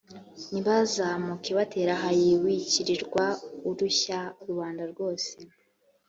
nibazamuke batere hayi! wikwirirwa urushya rubanda rwose.